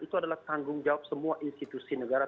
itu adalah tanggung jawab semua institusi negara